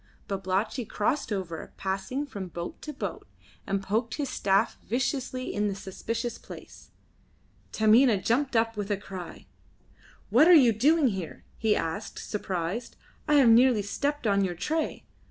Babalatchi crossed over, passing from boat to boat, and poked his staff viciously in the suspicious place. Taminah jumped up with a cry. "What are you doing here?" he asked, surprised. "I have nearly stepped on your tray.